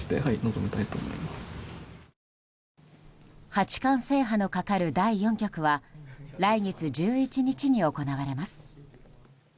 八冠制覇のかかる第４局は来月１１日に行われます。